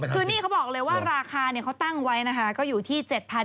คือนี่เขาบอกเลยว่าราคาเขาตั้งไว้นะคะก็อยู่ที่๗๐๐บาท